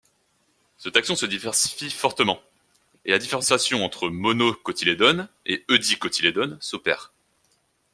Ce taxon se diversifie fortement et la différenciation entre monocotylédones et eudicotylédones s'opère.